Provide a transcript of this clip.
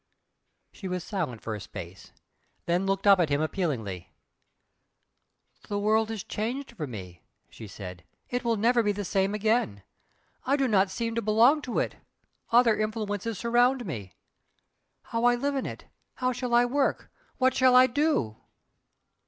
She was silent for a space then looked up at him appealingly. "The world is changed for me" she said "It will never be the same again! I do not seem to belong to it other influences surround me, how I live in it? how shall I work what shall I do?"